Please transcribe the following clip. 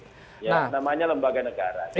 ya namanya lembaga negara